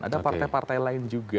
ada partai partai lain juga